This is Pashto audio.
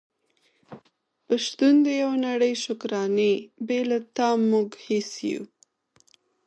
په شتون د يوه نړی شکرانې بې له تا موږ هيڅ يو ❤️